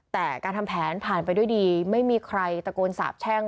แต่การทำแผนผ่านไปด้วยดีไม่มีใครตะโกนสาบแช่ง